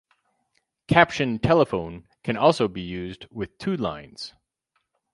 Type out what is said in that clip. Captioned telephone can also be used with two lines.